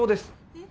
えっ？